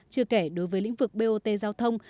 chưa kể đối với lĩnh vực bot giao thông